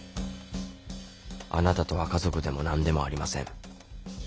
あなたとは家族でもなんでもありません。